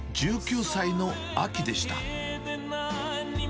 １９歳の秋でした。